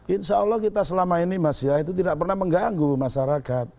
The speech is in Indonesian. insya allah kita selama ini mas ya itu tidak pernah mengganggu masyarakat